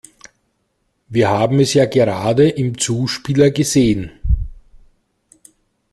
Wir haben es ja gerade im Zuspieler gesehen.